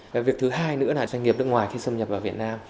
cái việc thứ hai nữa là doanh nghiệp nước ngoài khi xâm nhập vào việt nam